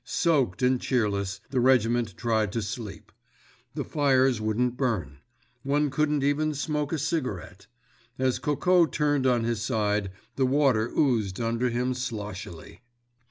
Soaked and cheerless, the regiment tried to sleep. The fires wouldn't burn. One couldn't even smoke a cigarette. As Coco turned on his side the water oozed under him sloshily.